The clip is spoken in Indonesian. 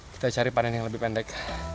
kita cari panen yang lebih pendek